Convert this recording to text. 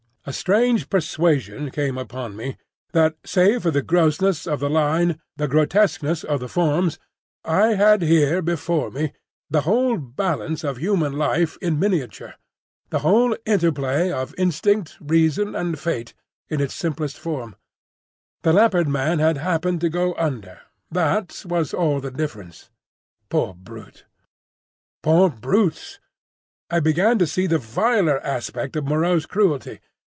A strange persuasion came upon me, that, save for the grossness of the line, the grotesqueness of the forms, I had here before me the whole balance of human life in miniature, the whole interplay of instinct, reason, and fate in its simplest form. The Leopard man had happened to go under: that was all the difference. Poor brute! Poor brutes! I began to see the viler aspect of Moreau's cruelty.